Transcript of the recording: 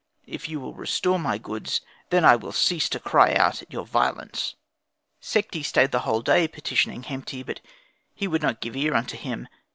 If you will restore my goods, then will I cease to cry out at your violence." Sekhti stayed the whole day petitioning Hemti, but he would not give ear unto him.